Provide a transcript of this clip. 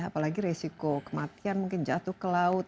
apalagi resiko kematian mungkin jatuh ke laut